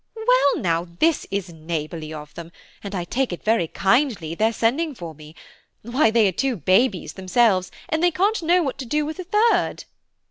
Well now, this is neighbourly of them, and I take it very kindly their sending for me. Why, they are two babies themselves, and they can't know what to do with a third."